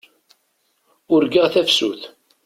Urgaɣ tafsut.